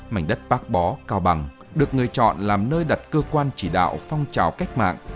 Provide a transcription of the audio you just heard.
mảnh đất bác bó cao bằng được người chọn làm nơi đặt cơ quan chỉ đạo phong trào cách mạng